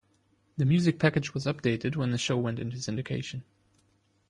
The music package was updated when the show went into syndication.